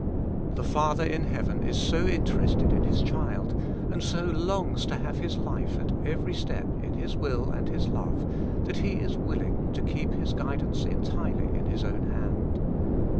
The Father in heaven is so interested in His child, and so longs to have his life at every step in His will and His love, that He is willing to keep his guidance entirely in His own hand.